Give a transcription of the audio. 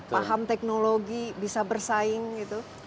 paham teknologi bisa bersaing gitu